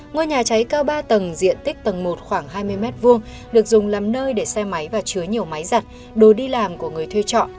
ngôi nhà cháy cao ba tầng diện tích tầng một khoảng hai mươi m hai được dùng làm nơi để xe máy và chứa nhiều máy giặt đồ đi làm của người thuê trọ